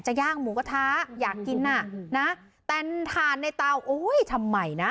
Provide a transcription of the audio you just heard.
ย่างหมูกระทะอยากกินน่ะนะแต่ถ่านในเตาโอ้ยทำไมนะ